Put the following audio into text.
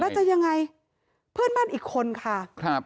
แล้วจะอย่างไรเพื่อนบ้านอีกคนค่ะ